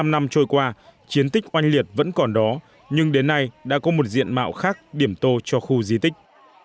bảy mươi năm năm trôi qua chiến tích oanh liệt vẫn còn đó nhưng đến nay đã có một diện mạo khác điểm tô cho khu di tích